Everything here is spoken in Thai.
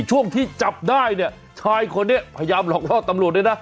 ช่วงที่จับได้เนี่ยชายคนนี้พยายามหลอกล่อตำรวจด้วยนะ